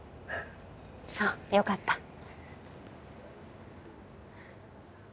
そうよかった。